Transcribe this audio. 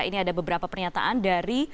ini ada beberapa pernyataan dari